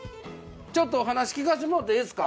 ちょっとお話聞かせてもうていいですか？